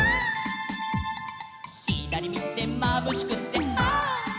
「ひだりみてまぶしくてはっ」